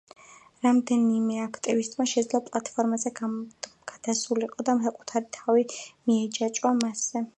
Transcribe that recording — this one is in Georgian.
რამდენიმე აქტივისტმა შეძლო პლათფორმაზე გადასულიყო და საკუთარი თავი მიეჯაჭვა მასზე.